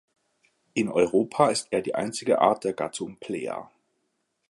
In Europa ist er die einzige Art der Gattung "Plea".